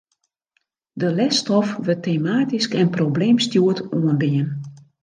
De lesstof wurdt tematysk en probleemstjoerd oanbean.